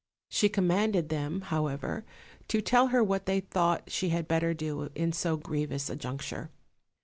She commanded them, however, to tell her what they thought she had better do in so grievous a juncture.